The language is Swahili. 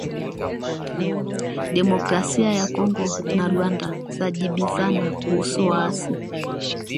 Demokrasia ya Kongo na Rwanda zajibizana kuhusu waasi